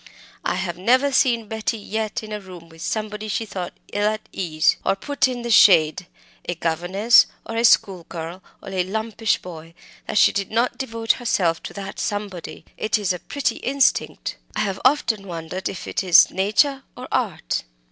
I have never seen Betty yet in a room with somebody she thought ill at ease, or put in the shade a governess, or a schoolgirl, or a lumpish boy that she did not devote herself to that somebody. It is a pretty instinct; I have often wondered whether it is nature or art."